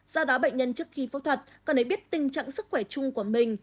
do đó bệnh nhân trước khi phẫu thuật cần hãy biết tình trạng sức khỏe chung của mình